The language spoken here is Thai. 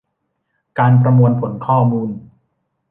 การประมวลผลข้อมูล